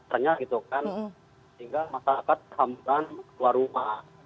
sehingga masyarakat terhamburan keluar rumah